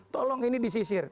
tolong ini disisir